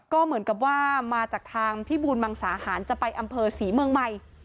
ก็เหมือนกับว่ามาจากทางพิบูรมังสาหารจะไปอำเภอศรีเมืองใหม่